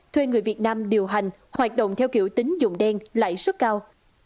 thuê người việt nam điều hành hoạt động theo kiểu tính dụng đen lãi suất cao